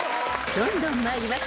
［どんどん参りましょう］